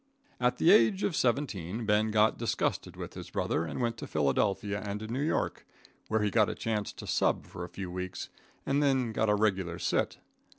At the age of 17, Ben got disgusted with his brother, and went to Philadelphia and New York, where he got a chance to "sub" for a few weeks, and then got a regular "sit."